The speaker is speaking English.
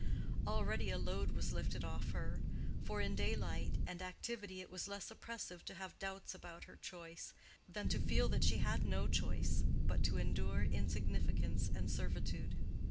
Already a load was lifted off her; for in daylight and activity it was less oppressive to have doubts about her choice, than to feel that she had no choice but to endure insignificance and servitude.